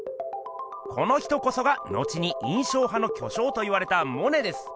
この人こそが後に印象派の巨匠といわれたモネです。